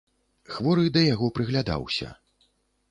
Хворы да яго прыглядаўся.